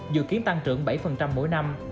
dự kiến tăng trưởng bảy mỗi năm